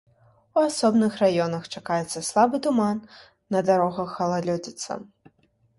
У асобных раёнах чакаецца слабы туман, на дарогах галалёдзіца.